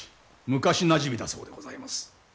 昔なじみだそうでございます。